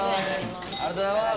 ありがとうございます。